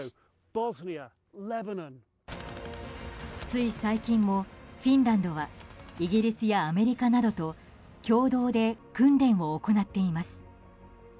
つい最近もフィンランドはイギリスやアメリカなどと共同で訓練を行っています。